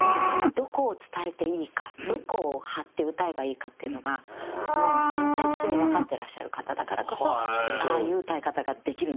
どこを伝えていいかどこを張って歌えばいいかっていうのがもう潜在的にわかってらっしゃる方だからこそああいう歌い方ができるんですよね。